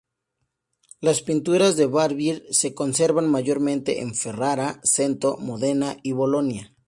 Las pinturas de Barbieri se conservan mayormente en Ferrara, Cento, Modena y Bolonia.